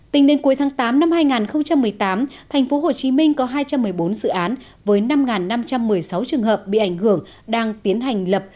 tính đến cuối tháng tám năm hai nghìn một mươi tám tp hcm có hai trăm một mươi bốn dự án với năm năm trăm một mươi sáu trường hợp bị ảnh hưởng đang tiến hành lập